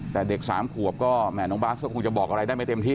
แต่เด็กสามขวบก็แหมน้องบาสก็คงจะบอกอะไรได้ไม่เต็มที่